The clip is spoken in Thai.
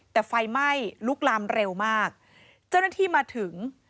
แต่ไฟไหม้ลุกลามเร็วมากเจ้าหน้าที่มาถึง